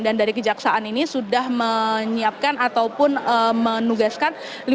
dan dari kejaksaan ini sudah menyiapkan ataupun menugaskan